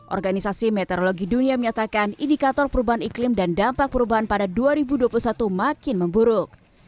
organisasi meteorologi dunia menyatakan indikator perubahan iklim dan dampak perubahan pada dua ribu dua puluh satu makin memburuk